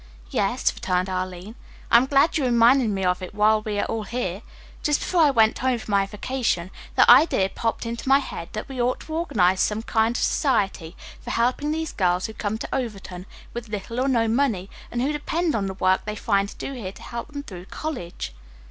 "Yes," returned Arline. "I am glad you reminded me of it while we are all here. Just before I went home for my vacation the idea popped into my head that we ought to organize some kind of society for helping these girls who come to Overton with little or no money and who depend on the work they find to do here to help them through college."